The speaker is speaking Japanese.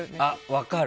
分かる。